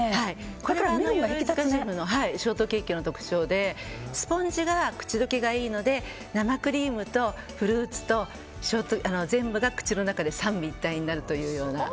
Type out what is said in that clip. これが鎧塚シェフのショートケーキの特徴でスポンジが口溶けがいいので生クリームとフルーツと全部が口の中で三位一体になるような。